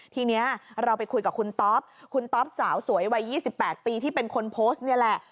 ทีนี้เราไปคุยกับคุณต๊อปคุณต๊อปสาวสวยวัย๒๘ปีที่เป็นคนโพสต์นี่แหละ